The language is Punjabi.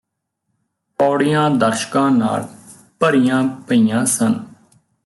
ਪੌੜੀਆਂ ਦਰਸ਼ਕਾਂ ਨਾਲ ਭਰੀਆਂ ਪਈਆਂ ਸਨ